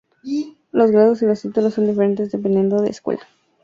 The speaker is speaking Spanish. Los grados y los títulos son diferentes dependiendo de escuela.